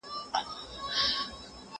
زه به سبا د يادښتونه بشپړوم!؟